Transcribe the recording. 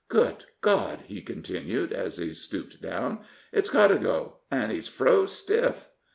"Good God!" he continued, as he stooped down; "it's Codago! An' he's froze stiff."